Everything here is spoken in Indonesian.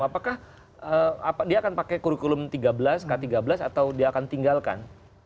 apakah dia akan pakai kurikulum tiga belas k tiga belas atau dia akan tinggalkan